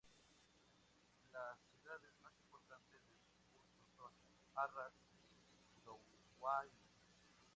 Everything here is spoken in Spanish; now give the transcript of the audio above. Las ciudades más importantes de su curso son Arras y Douai.